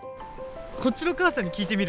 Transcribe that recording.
こっちの母さんに聞いてみる？